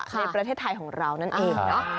ในประเทศไทยของเรานั่นเองเนอะ